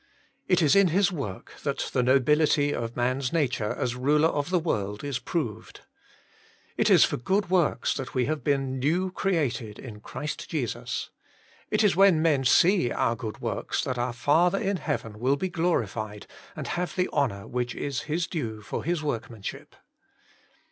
It is in his work that the nobility of man's nature as ruler of the world is proved. It is for good works that we have been new created in Christ Jesus : It is when men see our good works that our Father in Heaven will be glorified and have the honour which is His due for His work manship.